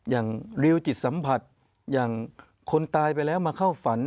อย่างริวจิตสัมผัสอย่างคนตายไปแล้วมาเข้าฝัน